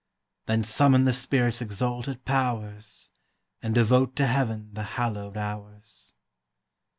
Then summon the spirit's exalted powers, And devote to Heaven the hallowed hours.